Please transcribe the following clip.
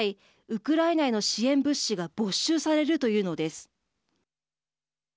ウクライナへの支援物資が没収されるというのです。